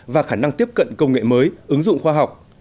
và khả năng tiếp cận công nghệ mới ứng dụng khoa học